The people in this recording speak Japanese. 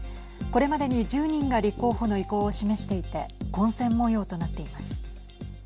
これまでに１０人が立候補の意向を示していて混戦模様となっています。